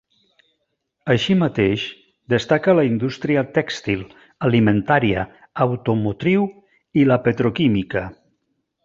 Així mateix, destaca la indústria tèxtil, alimentària, automotriu i la petroquímica